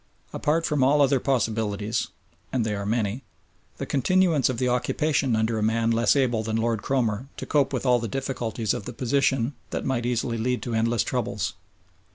Apart from all other possibilities, and they are many, the continuance of the occupation under a man less able than Lord Cromer to cope with all the difficulties of the position might easily lead to endless troubles.